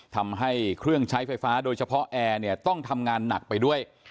ทำให้เครื่องใช้ไฟฟ้าโดยเฉพาะแอร์เนี่ยต้องทำงานหนักไปด้วย